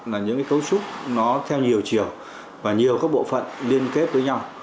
là những cái cấu trúc nó theo nhiều chiều và nhiều các bộ phận liên kết với nhau